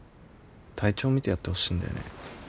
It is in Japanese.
体調見てやってほしいんだよね。